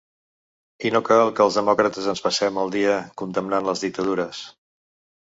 I no cal que els demòcrates ens passem el dia condemnant les dictadures.